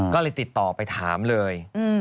ก็เลยติดต่อไปถามเลย